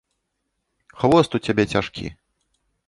Хвост у цябе цяжкі.